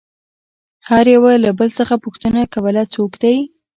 هر يوه له بل څخه پوښتنه کوله څوک دى.